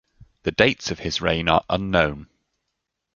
The dates of his reign are unknown.